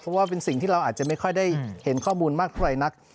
เพราะว่าเป็นสิ่งที่เราอาจจะไม่ค่อยได้เห็นข้อมูลมากเท่าไหร่นัก